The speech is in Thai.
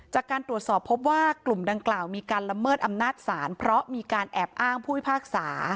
จากการตรวจสอบพบว่ากลุ่มดังกล่าวมีการละเมิดอำนาจศาลเพราะมีการแอบอ้างผู้พิพากษา